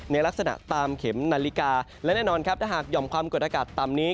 ในลักษณะตามเข็มนาฬิกาและแน่นอนครับถ้าหากห่อมความกดอากาศต่ำนี้